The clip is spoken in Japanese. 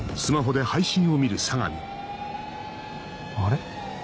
あれ？